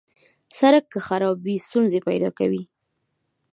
سړک که خراب وي، ستونزې پیدا کوي.